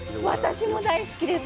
私も大好きです。